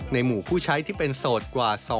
หมู่ผู้ใช้ที่เป็นโสดกว่า